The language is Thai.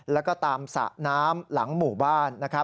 แล้วก็ตามสระน้ำหลังหมู่บ้าน